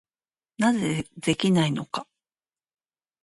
なぜできないのか。